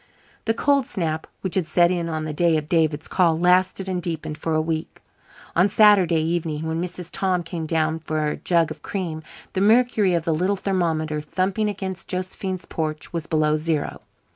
The cold snap which had set in on the day of David's call lasted and deepened for a week. On Saturday evening, when Mrs. Tom came down for a jug of cream, the mercury of the little thermometer thumping against Josephine's porch was below zero.